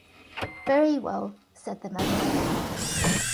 ‘Very well,’ said the magistrate.